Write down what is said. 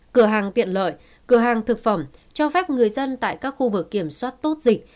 cửa hàng tiện lợi cửa hàng thực phẩm cho phép người dân tại các khu vực kiểm soát tốt dịch